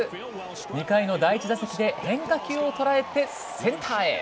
２回の第１打席で変化球を捉えてセンターへ。